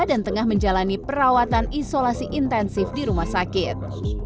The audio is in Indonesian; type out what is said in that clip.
dan tengah menjalani perawatan isolasi intensif di rumah sakit